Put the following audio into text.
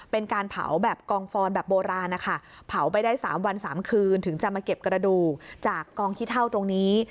เป็นการเผาแบบกองฟอนแบบโบราณนะคะเผาไปได้๓วัน๓คืนถึงจะมาเก็บกระดูกจากกองขี้เท่าตรงนี้